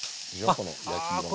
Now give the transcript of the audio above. この焼き色が。